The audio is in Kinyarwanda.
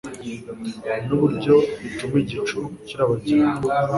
n'uburyo ituma igicu kirabagirana